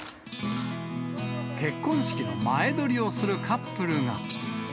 結婚式の前撮りをするカップルが。